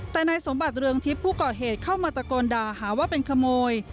แต่นายสมบัติเรืองทิพย์ผู้ก่อเหตุเข้ามาตะโกนด่าหาว่าเป็นขโมย